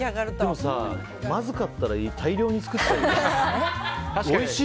でもさ、まずかったら大量に作っちゃうとね。